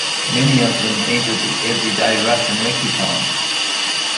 Many of them entered the everyday Russian lexicon.